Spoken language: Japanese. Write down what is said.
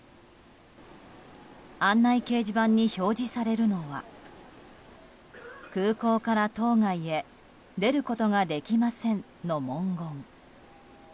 案内掲示板に表示されるのは「空港から島外へ出ることができません」の文言。